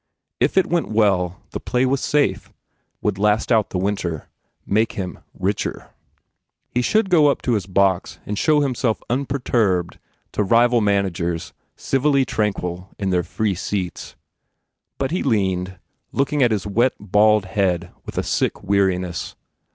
If it went well, the play was safe, would last out the winter, make him richer. He should go up to his box and show himself unperturbed to rival managers civilly tranquil in their free seats. But he leaned, look ing at his wet, bald head with a sick weariness.